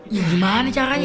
ya gimana caranya